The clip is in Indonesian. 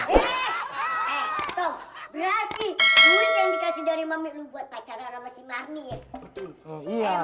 eh tom berarti duit yang dikasih dari mami lo buat pacaran sama si marni ya